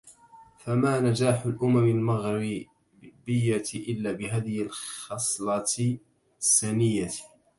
فما نجاح الأمم الغربية إلا بهذي الخصلة السَنِيَة